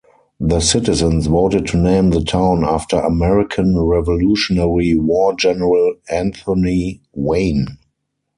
The citizens voted to name the town after American Revolutionary War General Anthony Wayne.